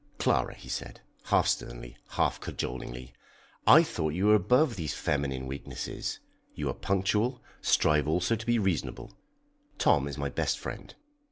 "Clara," he said, half sternly, half cajolingly, "I thought you were above these feminine weaknesses; you are punctual, strive also to be reasonable. Tom is my best friend.